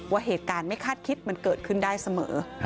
ว่าเหตุการณ์ไม่คาดคิดมันเกิดขึ้นได้เสมอ